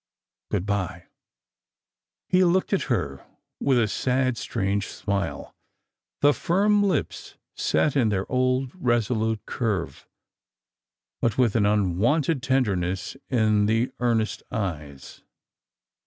Good bye." He looked at her with a sad strange smile, the firm lips set in their old resolute curve, but with an unwonted tenderness in the earnest eyes.